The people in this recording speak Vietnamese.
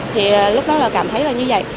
thì lúc đó là cảm thấy